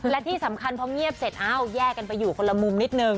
และที่สำคัญพอเงียบเสร็จอ้าวแยกกันไปอยู่คนละมุมนิดนึง